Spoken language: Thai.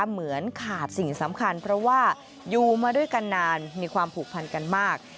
เหมือนขาดสิ่งสำคัญเพราะว่าอยู่มาด้วยกันนานมีความผูกพันกันมาก